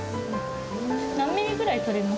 何ミリぐらい取ります？